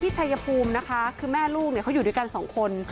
ชัยภูมินะคะคือแม่ลูกเขาอยู่ด้วยกันสองคน